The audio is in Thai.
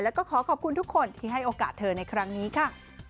แล้วก็ขอขอบคุณทุกคนที่ให้โอกาสเธอในครั้งนี้ค่ะ